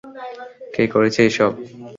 কে করেছে এসব?